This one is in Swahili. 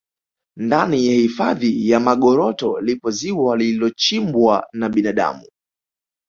ndani ya hifadhi ya magoroto lipo ziwa lililochimbwa na binadamu